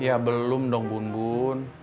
ya belum dong bun bun